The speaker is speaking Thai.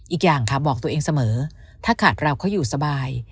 อีกอย่างค่ะบอกตัวเองเสมอถ้าขาดเราเขาอยู่สบาย